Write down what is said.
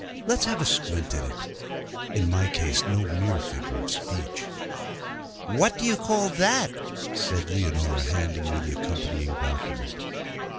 'Let's have a squint at it' (in my case no mere figure of speech). 'What do you call that?' said Leonora, handing me the accompanying document.